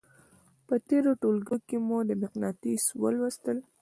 په تېرو ټولګیو کې مو مقناطیس ولوستل.